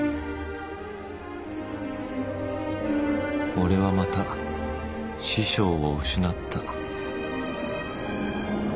俺はまた師匠を失った